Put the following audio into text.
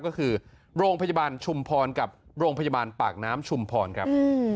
ก็คือโรงพยาบาลชุมพรกับโรงพยาบาลปากน้ำชุมพรครับ